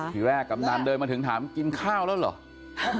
ทีแรกกำนันเดินมาถึงถามกินข้าวแล้วเหรอ